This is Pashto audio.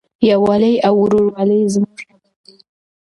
یووالی او ورورولي زموږ هدف دی.